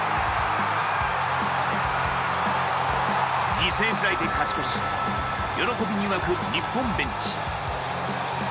犠牲フライで勝ち越し喜びに沸く日本ベンチ。